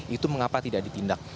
itu mengapa tidak ditindak